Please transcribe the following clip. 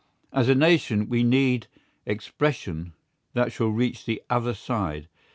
As a nation, we need expression that shall reach the other side.